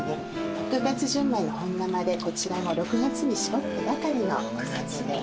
特別純米の本生でこちらも６月に搾ったばかりのお酒で。